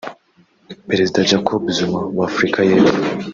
Perezida Jacob Zuma w’Afurika y’Epfo